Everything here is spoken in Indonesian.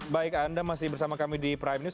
baik anda masih bersama kami di prime news